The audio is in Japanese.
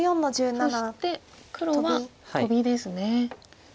そして黒はトビですね。